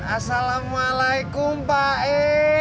assalamualaikum pak e